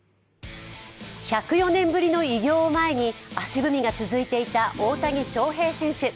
１０４年ぶりの偉業を前に足踏みが続いていた大谷翔平選手。